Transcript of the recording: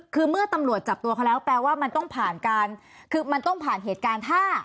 คือเมื่อตำรวจจับตัวเขาแล้วแปลว่ามันต้องผ่านเหตุการณ์